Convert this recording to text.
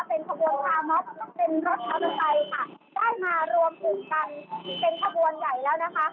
เป็นขบวนทาม็อปเป็นรถสะไพน่ค่ะได้มารวมกันเป็นขบวนใหญ่แล้วนะคะ